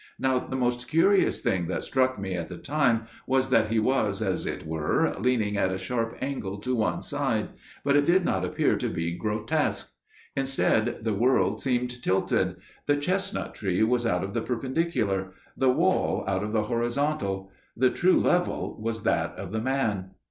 Now the most curious thing that struck me at the time was that he was, as it were, leaning at a sharp angle to one side; but it did not appear to be grotesque. Instead the world seemed tilted; the chestnut tree was out of the perpendicular; the wall out of the horizontal. The true level was that of the man.